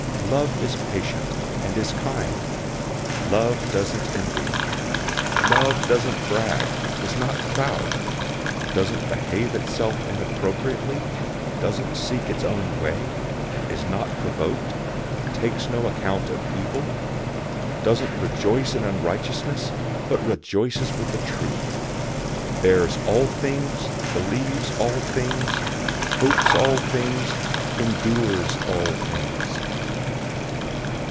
013:004 Love is patient and is kind; love doesn't envy. Love doesn't brag, is not proud, 013:005 doesn't behave itself inappropriately, doesn't seek its own way, is not provoked, takes no account of evil; 013:006 doesn't rejoice in unrighteousness, but rejoices with the truth; 013:007 bears all things, believes all things, hopes all things, endures all things.